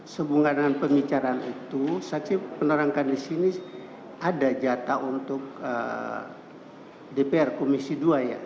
sebuah dengan pembicaraan itu saksi menerangkan disini ada jatah untuk dpr komisi dua ya